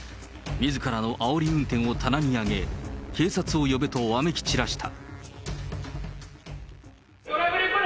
みずからのあおり運転を棚に上げ、警察を呼べとわめきちらした。